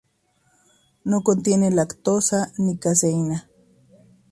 No contiene lactosa ni caseína.